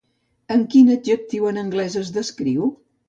Amb quin adjectiu en anglès es descriu?